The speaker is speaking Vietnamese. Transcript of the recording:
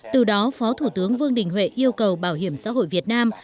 từ đó phó thủ tướng vương đình huệ yêu cầu bảo hiểm xã hội việt nam